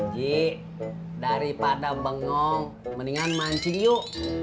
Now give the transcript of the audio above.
ji daripada bengong mendingan mancing yuk